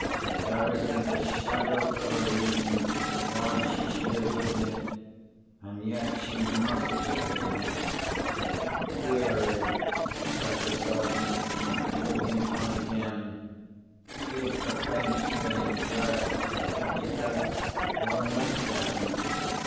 There isn't the shadow of a reason why she should have hidden it—and yet she must have hidden it. Query," says the Sergeant, walking on again, "is the paint stained dress a petticoat or a night gown?